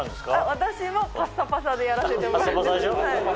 私もパサパサでやらせてもらってます。